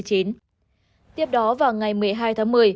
tiếp đó vào ngày một mươi hai tháng một mươi